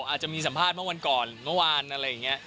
อาจจะมีสัมภาษณ์เมื่อวันก่อนเมื่อวานอะไรอย่างนี้